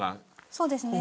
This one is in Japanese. そうですね。